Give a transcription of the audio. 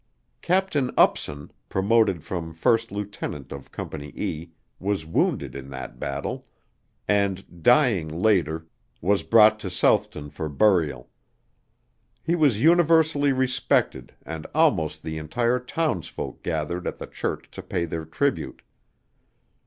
Captain Upson, promoted from first lieutenant of Company E, was wounded at that battle, and dying later, was brought to Southton for burial. He was universally respected and almost the entire townsfolk gathered at the church to pay their tribute.